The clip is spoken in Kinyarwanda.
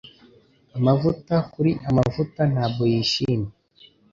Amavuta kuri amavuta ntabwo yishimye